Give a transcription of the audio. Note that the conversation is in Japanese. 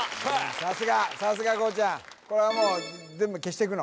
さすがさすがこうちゃんこれはもう全部消していくの？